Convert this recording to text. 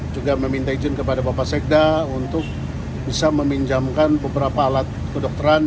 juga meminta izin kepada bapak sekda untuk bisa meminjamkan beberapa alat kedokteran